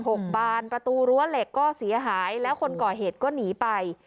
บานประตูรั้วเหล็กก็เสียหายแล้วคนก่อเหตุก็หนีไป